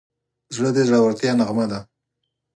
زړه د زړورتیا نغمه ده.